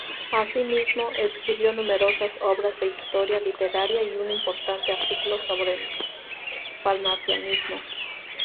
Asimismo, escribió numerosas obras de historia literaria y un importante artículo sobre el parnasianismo.